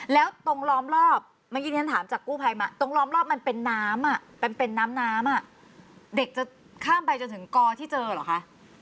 แล้วตรงล้อมรอบเมื่อกี้ที่ฉันถามจากกู้ภัยมาตรงล้อมรอบมันเป็นน้ำมันเป็นน้ำน้ำเด็กจะข้ามไปจนถึงกอที่เจอเหรอคะ